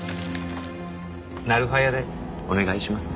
なる早でお願いしますね。